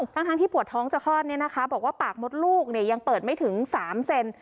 ทั้งที่ปวดท้องจะคลอดเนี่ยนะคะบอกว่าปากมดลูกยังเปิดไม่ถึง๓เซน